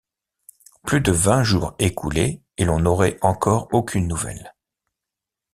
Plus de vingt jours écoulés, et l’on n’aurait encore aucune nouvelle.